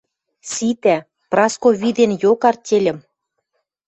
Ситӓ! Праско виден йок артельӹм.